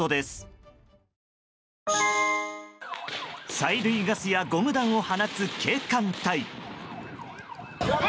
催涙ガスやゴム弾を放つ警官隊。